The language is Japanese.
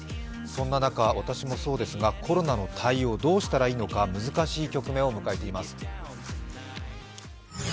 そんな中、私もそうですがコロナの対応、どうしたらいいのか難しい局面を迎えています。